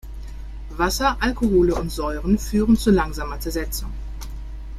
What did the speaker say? Wasser, Alkohole und Säuren führen zu langsamer Zersetzung.